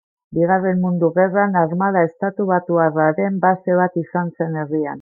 Bigarren Mundu Gerran Armada estatubatuarraren base bat izan zen herrian.